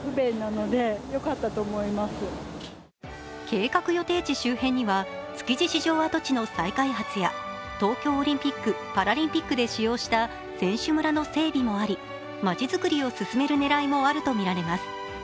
計画予定地周辺には築地市場跡地の再開発や東京オリンピック・パラリンピックで使用した選手村の整備もありまちづくりを進める狙いもあるとみられます。